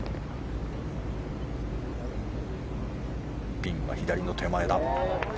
ピンは左の手前だ。